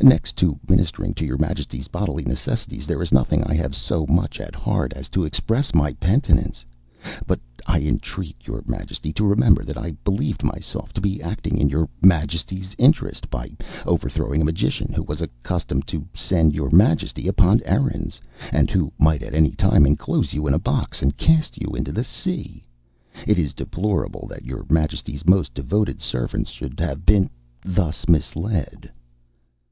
Next to ministering to your Majesty's bodily necessities, there is nothing I have so much at heart as to express my penitence. But I entreat your Majesty to remember that I believed myself to be acting in your Majesty's interest by overthrowing a magician who was accustomed to send your Majesty upon errands, and who might at any time enclose you in a box, and cast you into the sea. It is deplorable that your Majesty's most devoted servants should have been thus misled."